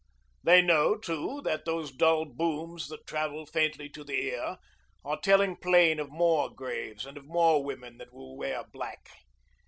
They know, too, that those dull booms that travel faintly to the ear are telling plain of more graves and of more women that will wear black.